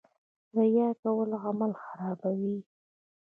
ریا کول عمل خرابوي